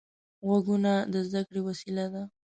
غوږونه د زده کړې وسیله ده